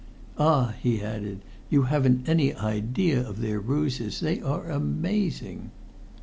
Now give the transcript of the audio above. Ah!" he added, "you haven't any idea of their ruses. They are amazing!"